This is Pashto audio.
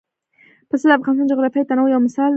پسه د افغانستان د جغرافیوي تنوع یو مثال دی.